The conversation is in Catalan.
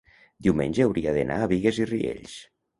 diumenge hauria d'anar a Bigues i Riells.